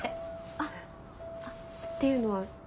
あっあっっていうのは？